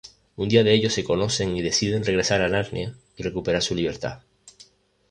Un día ellos se conocen y deciden regresar a Narnia y recuperar su libertad.